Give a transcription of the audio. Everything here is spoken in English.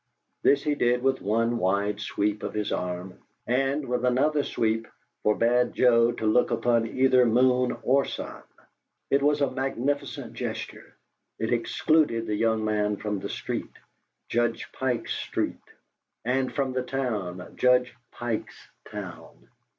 This he did with one wide sweep of his arm, and, with another sweep, forbade Joe to look upon either moon OR sun. It was a magnificent gesture: it excluded the young man from the street, Judge Pike's street, and from the town, Judge Pike's town.